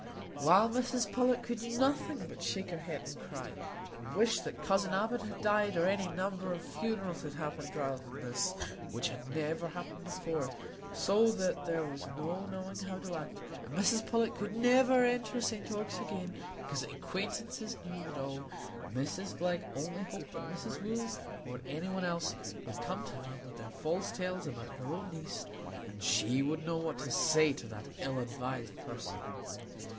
While Mrs Pullet could do nothing but shake her head and cry, and wish that cousin Abbot had died, or any number of funerals had happened rather than this, which had never happened before, so that there was no knowing how to act, and Mrs Pullet could never enter St Ogg's again, because "acquaintances" knew of it all, Mrs Glegg only hoped that Mrs Wooll, or any one else, would come to her with their false tales about her own niece, and she would know what to say to that ill advised person!